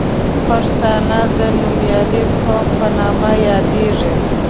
پښتانه د نومیالي قوم په نوم یادیږي.